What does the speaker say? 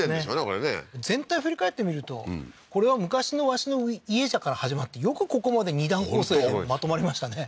これね全体振り返ってみると「これは昔のわしの家じゃ」から始まってよくここまで２段構成まとまりましたね